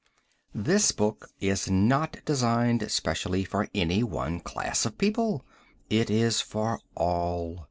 This book is not designed specially for any one class of people. It is for all.